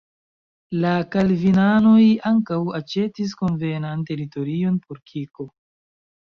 La kalvinanoj ankaŭ aĉetis konvenan teritorion por kirko.